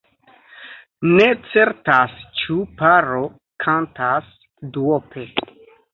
Ne certas ĉu paro kantas duope.